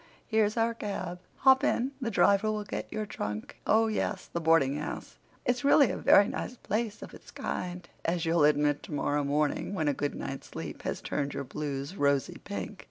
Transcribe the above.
Here's our cab. Hop in—the driver will get your trunk. Oh, yes, the boardinghouse—it's really a very nice place of its kind, as you'll admit tomorrow morning when a good night's sleep has turned your blues rosy pink.